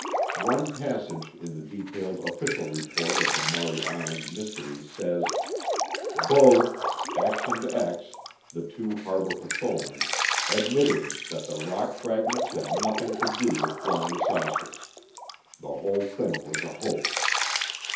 One passage in the detailed official report of the Maury Island Mystery says: Both (the two harbor patrolmen) admitted that the rock fragments had nothing to do with flying saucers. The whole thing was a hoax.